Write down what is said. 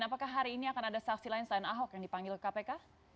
apakah hari ini akan ada saksi lain selain ahok yang dipanggil kpk